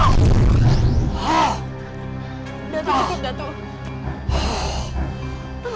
aku tak tahu datuk sudah habis